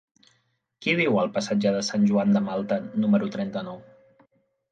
Qui viu al passatge de Sant Joan de Malta número trenta-nou?